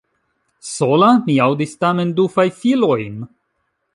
Sola!? Mi aŭdis tamen du fajfilojn.